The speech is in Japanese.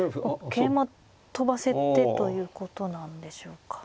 桂馬跳ばせてということなんでしょうか。